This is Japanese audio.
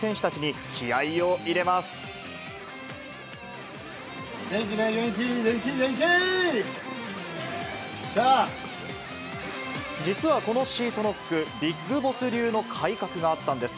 元気ない、元気、元気、実はこのシートノック、ビッグボス流の改革があったんです。